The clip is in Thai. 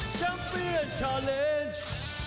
แชมพีเอ็นชาเลนจ์